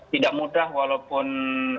tidak mudah walaupun